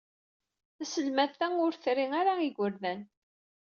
Taselmadt-a ur tri ara igerdan.